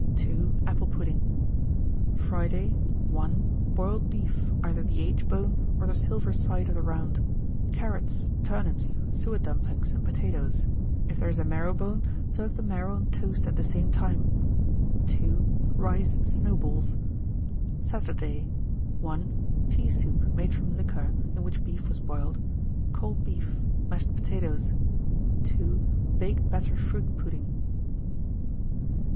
2. Apple pudding. 1907. Friday. 1. Boiled beef, either the aitchbone or the silver side of the round; carrots, turnips, suet dumplings, and potatoes: if there is a marrowbone, serve the marrow on toast at the same time. 2. Rice snowballs. 1908. Saturday. 1. Pea soup made from liquor in which beef was boiled; cold beef, mashed potatoes. 2. Baked batter fruit pudding.